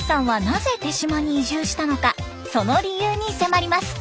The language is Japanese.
その理由に迫ります。